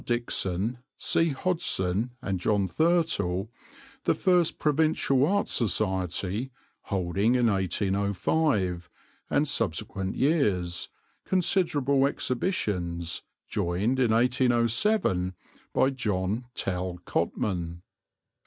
Dixon, C. Hodgson, and John Thirtle, the first provincial art society, holding in 1805, and subsequent years, considerable exhibitions, joined in 1807 by John Tell Cotman.